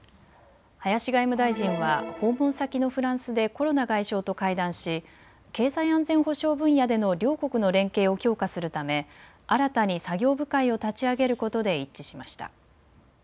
林外務大臣は訪問先のフランスでコロナ外相と会談し経済安全保障分野での両国の連携を強化するため新たに作業部会を立ち上げることで一致しました。